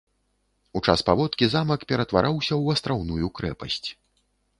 У час паводкі замак ператвараўся ў астраўную крэпасць.